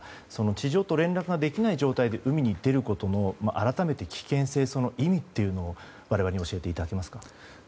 地上と連絡ができない状態で海に出ることの危険性、その意味というのを我々に教えていただけますか。